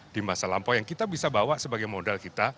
di masa lampau yang kita bisa bawa sebagai modal kita